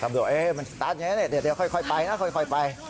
ตำดูว่าเอ่ยมันสตาร์ทอย่างเงี้ยเนี่ยเดี๋ยวเดี๋ยวค่อยไปนะค่อยไป